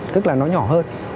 tức là nó nhỏ hơn